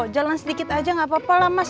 jalan sedikit aja nggak apa apa lah mas